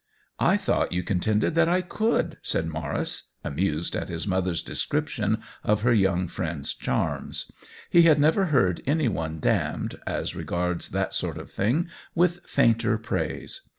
" I thought you contended that I could !" said Maurice, amused at his mother's de scription of her young friend's charms. He had never heard any one damned, as regards that sort of thing, with fainter praise.